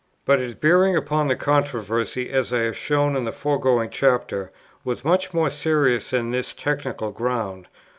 But its bearing upon the controversy, as I have shown in the foregoing chapter, was much more serious than this technical ground.